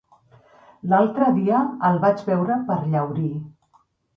L'altre dia el vaig veure per Llaurí.